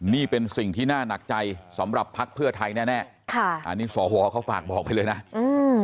นี่เป็นสิ่งที่น่าหนักใจสำหรับภักดิ์เพื่อไทยแน่แน่ค่ะอันนี้สวเขาฝากบอกไปเลยนะอืม